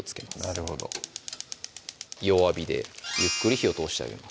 なるほど弱火でゆっくり火を通してあげます